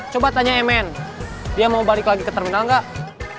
coba tanya mn dia mau balik lagi ke terminal nggak